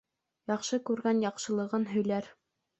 Яҡшы күргән яҡшылығын һөйләр